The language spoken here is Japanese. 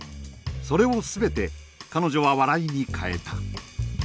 それを全て彼女は笑いに変えた。